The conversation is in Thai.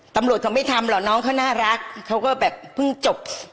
ตำรวจเขาไม่ทำหรอกน้องเขาน่ารักเขาก็แบบเพิ่งจบ